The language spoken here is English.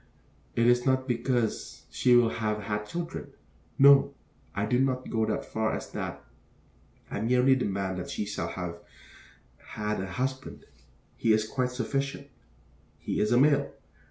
It is not because she will have had children. No. I do not go so far as that. I merely demand that she shall have had a husband. He is quite sufficient. He is a male.